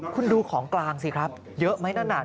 คุณดูของกลางสิครับเยอะไหมนาน